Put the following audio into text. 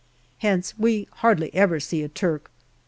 Hence we hardly ever see a Turk.